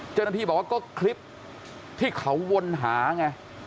เจ้าหน้าที่บอกว่าก็คลิปที่เขาวนหาไง